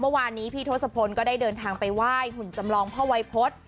เมื่อวานนี้พี่ทศพลก็ได้เดินทางไปไหว้หุ่นจำลองพ่อวัยพฤษ